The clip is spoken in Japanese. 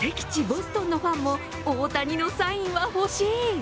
ボストンのファンも大谷のサインは欲しい。